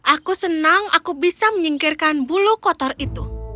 aku senang aku bisa menyingkirkan bulu kotor itu